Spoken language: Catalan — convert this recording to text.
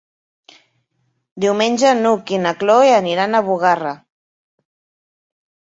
Diumenge n'Hug i na Cloè aniran a Bugarra.